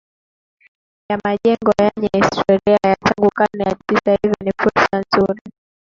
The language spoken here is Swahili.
ya majengo yanye historia ya tangu karne ya Tisa hivyo hii ni fursa nzuri